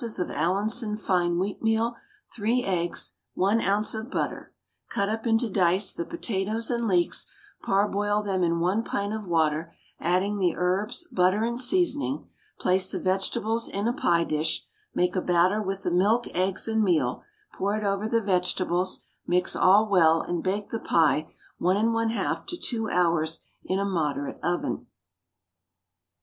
of Allinson fine wheatmeal, 3 eggs, 1 oz. of butter. Cut up into dice the potatoes and leeks, parboil them in 1 pint of water, adding the herbs, butter, and seasoning; place the vegetables in a pie dish, make a batter with the milk, eggs, and meal, pour it over the vegetables, mix all well, and bake the pie 1 1/2 to 2 hours in a moderate oven.